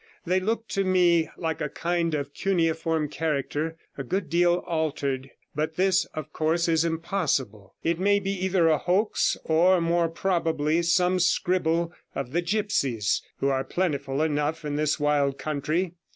They look to me like a kind of cuneiform character, a good deal altered, but this, of course, is impossible. It may be either a hoax, or more probably some scribble of the gipsies, who are plentiful enough in this wild country.